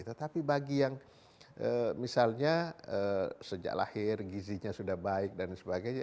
tetapi bagi yang misalnya sejak lahir gizinya sudah baik dan sebagainya